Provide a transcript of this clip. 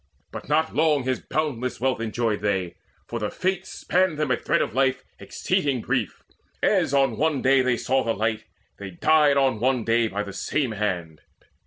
But not long His boundless wealth enjoyed they, for the Fates Span them a thread of life exceeding brief. As on one day they saw the light, they died On one day by the same hand.